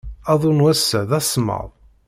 Aḍu n wass-a d asemmaḍ.